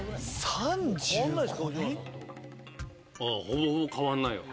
ほぼほぼ変わんないわ。